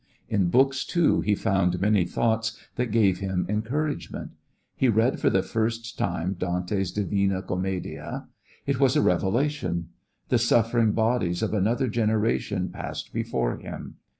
In books, too, he found many thoughts that gave him encouragement. He read for the first time Dante's Divina Comedia. It was a revelation. The suffering bodies of another generation passed before him.